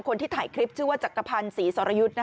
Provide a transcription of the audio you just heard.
คนที่ถ่ายคลิปชื่อว่าจักรพันธ์ศรีสรยุทธ์